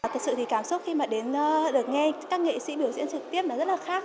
thật sự thì cảm xúc khi mà đến được nghe các nghệ sĩ biểu diễn trực tiếp nó rất là khác